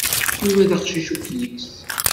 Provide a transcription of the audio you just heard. Yuba d aqcic ukyis.